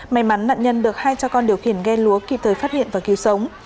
may mắn nạn nhân được hai cha con điều khiển ghe lúa kịp thời phát hiện và cứu sống